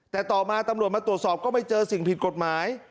แต่ต่อมาตำรวจมาตรวจสอบก็ไม่เจอสิ่งผิดกฎหมาย